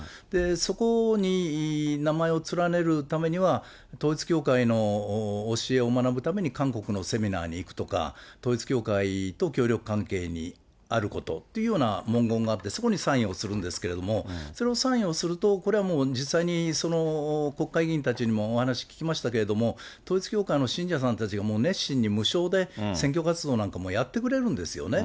そこに名前を連ねるためには、統一教会の教えを学ぶために韓国のセミナーに行くとか、統一教会と協力関係にあることというような文言があって、そこにサインをするんですけれども、それをサインをすると、これはもう、実際にその国会議員たちにもお話聞きましたけれども、統一教会の信者さんたちがもう熱心に無償で選挙活動なんかもやってくれるんですよね。